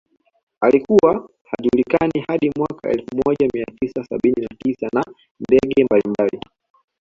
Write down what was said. Alikuwa hajulikani hadi mwaka elfu moja mia tisa sabini na tisa na ndege mbalimbali